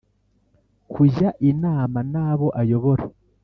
kujya inama n abo ayobora